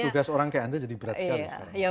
tugas orang kayak anda jadi berat sekali sekarang